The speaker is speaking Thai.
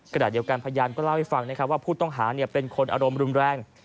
กระดาษเดียวกันพญานก็เล่าให้ฟังว่าผู้ต้องหาเป็นคนอารมณ์รุ่นแรง